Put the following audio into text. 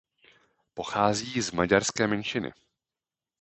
Pochází z maďarské menšiny.